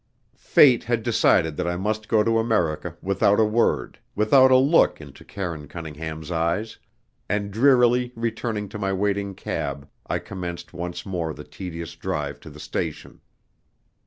Fate had decided that I must go to America without a word, without a look into Karine Cunningham's eyes; and drearily returning to my waiting cab I commenced once more the tedious drive to the station.